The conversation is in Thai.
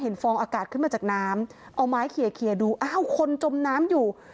ฟองอากาศขึ้นมาจากน้ำเอาไม้เคลียร์ดูอ้าวคนจมน้ำอยู่